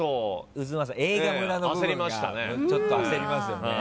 太秦映画村の部分がちょっと焦りますよね。